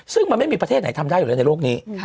ซึ่งมันไม่มีประเทศไหนทำได้อยู่แล้วในโลกนี้